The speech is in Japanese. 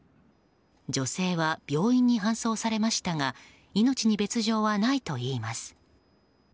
女性は病院に搬送されましたが命に別条はないといいます。